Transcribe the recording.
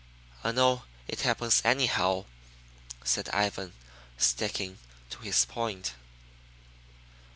"I know it happens anyhow," said Ivan, sticking to his point.